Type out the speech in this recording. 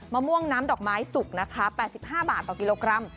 มะม่วงน้ำดอกไม้สุกนะคะ๘๕บาทต่อกิโลกรัม